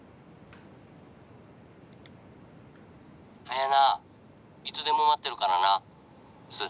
あやないつでも待ってるからな！